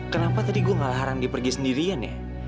kenapa tadi gue ngalah harang dia pergi sendirian ya